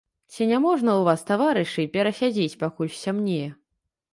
Ці няможна ў вас, таварышы, перасядзець, пакуль сцямнее?